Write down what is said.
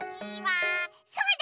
そうだ！